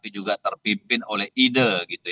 juga terpimpin oleh ide